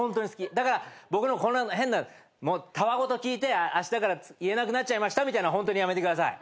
だから僕の変なたわ言聞いてあしたから言えなくなっちゃいましたみたいなホントにやめてください。